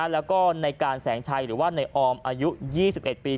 แล้วก็ในการแสงชัยหรือว่าในออมอายุ๒๑ปี